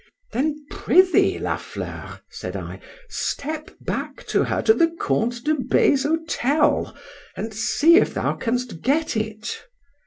—Then prithee, La Fleur, said I, step back to her to the Count de B—'s hotel, and see if thou canst get it.